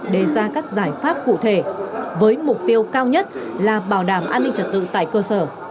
đề ra các giải pháp cụ thể với mục tiêu cao nhất là bảo đảm an ninh trật tự tại cơ sở